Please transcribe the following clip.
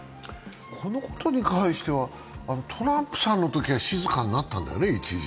このことに関してはトランプさんのときは静かになったんだよね、一時。